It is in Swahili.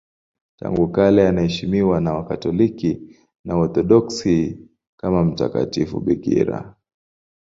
Tangu kale anaheshimiwa na Wakatoliki na Waorthodoksi kama mtakatifu bikira.